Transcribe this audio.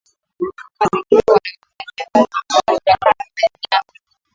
mazingira wanayofanyia kazi hususan kutokana na manyanyaso